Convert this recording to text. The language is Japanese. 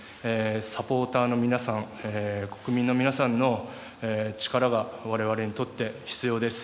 サポーターの皆さん国民の皆さんの力が我々にとって必要です。